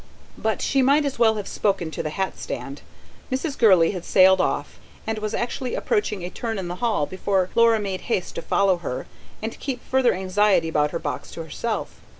But she might as well have spoken to the hatstand: Mrs. Gurley had sailed off, and was actually approaching a turn in the hall before Laura made haste to follow her and to keep further anxiety about her box to herself.